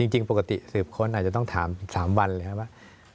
จริงปกติสืบค้นอาจจะต้องถาม๓วันเลยใช่ไหม